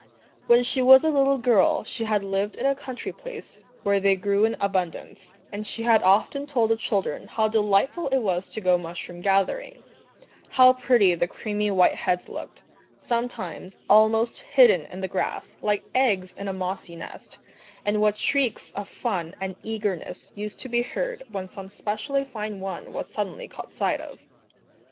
When she was a little girl, she had lived in a country place where they grew in abundance, and she had often told the children how delightful it was to go mushroom gathering, how pretty the creamy white heads looked, sometimes almost hidden in the grass, like eggs in a mossy nest, and what shrieks of fun and eagerness used to be heard when some specially fine one was suddenly caught sight of.